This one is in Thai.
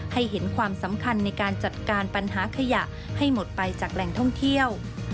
ให้เห็นความสำคัญในการจัดการปัญหาขยะให้หมดไปจากแหล่งท่องเที่ยว